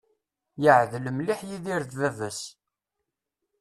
Yeεdel mliḥ Yidir d baba-s.